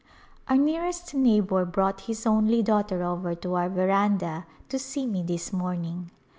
Our nearest neighbor brought his only daughter over to our veranda to see me this morning.